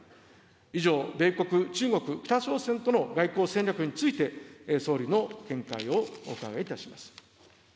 以上、米国、中国、北朝鮮との外交戦略について、総理の見解をお伺いいたします。